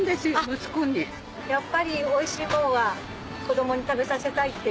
やっぱりおいしいもんは子どもに食べさせたいっていう。